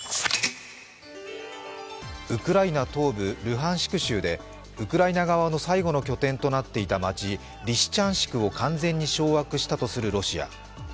ウクライナ東部ルハンシク州でウクライナ側の最後の拠点となっていた街・リシチャンシクを完全に掌握したとするロシア。